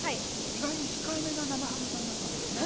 意外に控えめなナマハゲさんだったんですね。